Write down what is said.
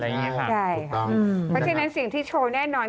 เพราะฉะนั้นสิ่งที่โชว์แน่นอน